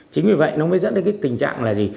chính vì vậy nó mới dẫn đến cái tình trạng là gì